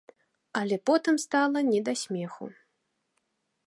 Але потым стала не да смеху.